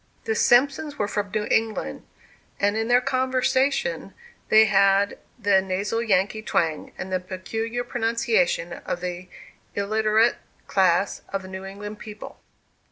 The Simpsons were from New England; and in their conversation they had the nasal Yankee twang, and the peculiar pronunciation of the illiterate class of the New England people.